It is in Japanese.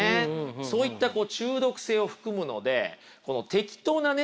そういった中毒性を含むので難しいことですよね。